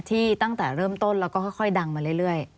ตั้งแต่เริ่มต้นแล้วก็ค่อยดังมาเรื่อย